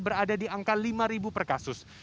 berada di angka lima per kasus